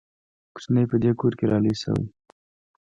کوچنی په دې کور کې را لوی شوی.